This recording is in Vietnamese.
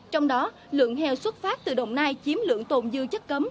trong đó lượng heo xuất phát từ đồng nai chiếm lượng tồn dư chất cấm